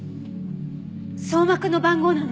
相馬くんの番号なの？